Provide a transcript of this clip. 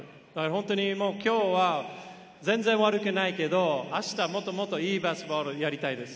本当にきょうは全然悪くないけれども、明日もっともっといいバスケットボールをやりたいです。